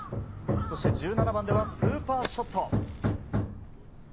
そして１７番ではスーパーショット。